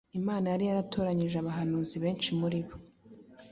Imana yari yaratoranyije abahanuzi benshi muri bo